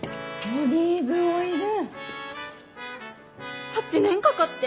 「オリーブオイル」。